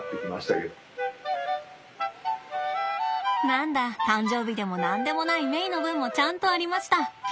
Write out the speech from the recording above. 何だ誕生日でも何でもないメイの分もちゃんとありました。